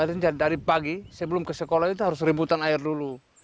artinya dari pagi sebelum ke sekolah itu harus ributan air dulu